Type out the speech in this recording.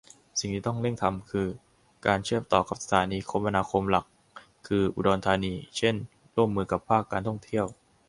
สิ่งที่ต้องเริ่งทำคือ การเชื่อมต่อกับสถานีคมนาคมหลักคือ อุดรธานี เช่น ร่วมมือกับภาคการท่องเที่ยว